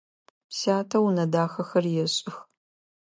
Сятэ унэ дахэхэр ешӏых.